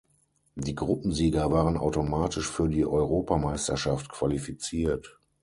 Die Gruppensieger waren automatisch für die Europameisterschaft qualifiziert.